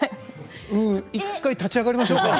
一回立ち上がりましょうか。